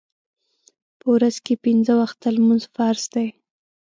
په ورځ کې پینځه وخته لمونځ فرض دی.